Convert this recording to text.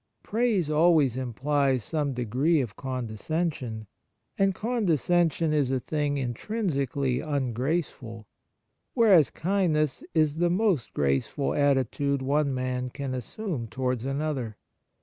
Praise always implies some degree of condescension, and condescension is a thing intrinsically ungraceful, whereas kindness is the most graceful attitude one man can assume towards another.